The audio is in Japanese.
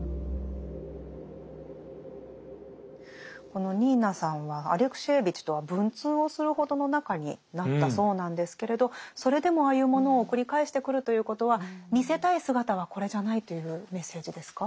このニーナさんはアレクシエーヴィチとは文通をするほどの仲になったそうなんですけれどそれでもああいうものを送り返してくるということは見せたい姿はこれじゃないというメッセージですか？